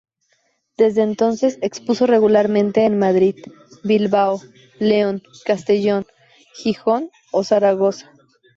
Desde entonces expuso regularmente en Madrid, Bilbao, León, Castellón, Gijón o Zaragoza.